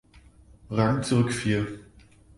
Rang zurückfiel.